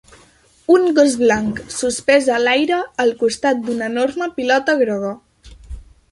Un gos blanc suspès a l'aire al costat d'una enorme pilota groga.